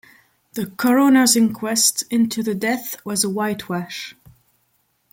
The coroner's inquest into the deaths was a whitewash.